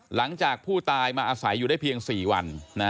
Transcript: หลังจากผู้ตายมาอาศัยอยู่ได้เพียง๔วัน